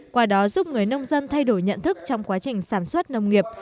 qua đó giúp người nông dân thay đổi nhận thức trong quá trình sản xuất nông nghiệp